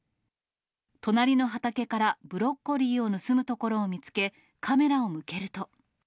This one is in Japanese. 隣の畑からブロッコリーを盗むところを見つけ、カメラを向けると。